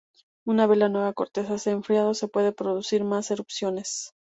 Una vez la nueva corteza se ha enfriado, se puede producir más erupciones.